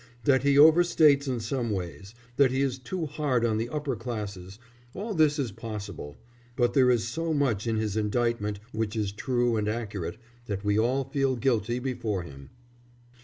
That he overstates in some ways, that he is too hard on the upper classes all this is possible, but there is so much in his indictment which is true and accurate that we all feel guilty before him.